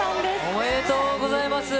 おめでとうございます。